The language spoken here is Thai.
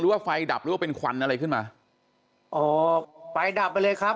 ว่าไฟดับหรือว่าเป็นควันอะไรขึ้นมาอ๋อไฟดับไปเลยครับ